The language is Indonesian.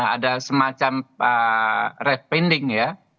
ada semacam refpending ya